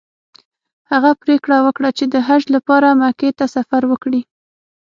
هغه پریکړه وکړه چې د حج لپاره مکې ته سفر وکړي.